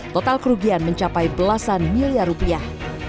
total kerugian mencapai belasan miliar rupiah